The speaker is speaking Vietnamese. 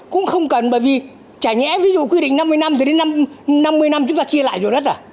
cũng không cần bởi vì chả nhẽ ví dụ quyết định năm mươi năm thì đến năm mươi năm chúng ta chia lại dụng đất à